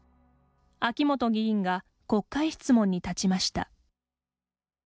秋本議員が国会質問に立ちました。